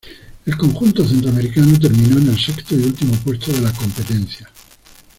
El conjunto centroamericano terminó en el sexto y último puesto de la competencia.